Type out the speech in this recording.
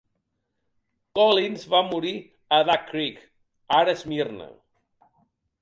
Collins va morir a Duck Creek, ara Smyrna.